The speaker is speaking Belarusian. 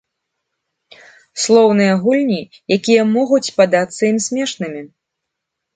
Слоўныя гульні, якія могуць падацца ім смешнымі.